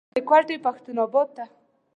زه ځم د کوتي پښتون اباد ته.